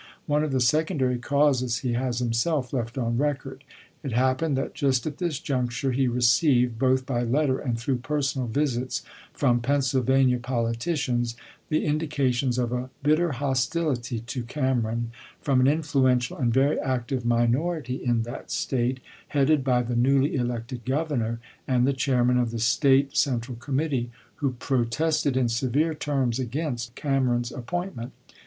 One of the secondary causes he has himself left on record. It happened that just at this juncture he received, both by letter and through personal visits from Pennsylvania politicians, the indications of a bit ter hostility to Cameron from an influential and very active minority in that State, headed by the newly elected Governor and the chairman of the State central committee, who protested in severe terms against Cameron's appointment.